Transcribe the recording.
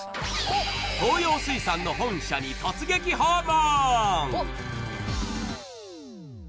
東洋水産の本社に突撃訪問！